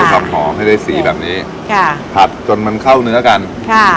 ความหอมให้ได้สีแบบนี้ค่ะผัดจนมันเข้าเนื้อกันค่ะ